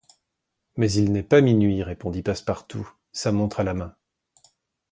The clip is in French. Mais il n’est pas minuit, répondit Passepartout, sa montre à la main.